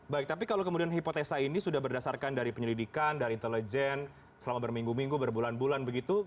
baik tapi kalau kemudian hipotesa ini sudah berdasarkan dari penyelidikan dari intelijen selama berminggu minggu berbulan bulan begitu